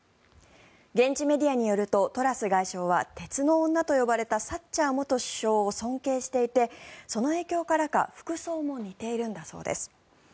現地メディアによるとトラス外相は鉄の女と呼ばれたサッチャー元首相を尊敬していて、その影響からか服装も似ているんだそうです。